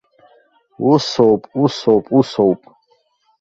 Усоуп, усоуп, усоуп!